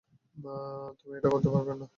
তুমি এটা করতে পারবেন না।